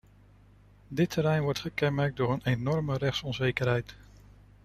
Dit terrein wordt gekenmerkt door een enorme rechtsonzekerheid.